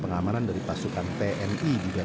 mengenai yang terjadi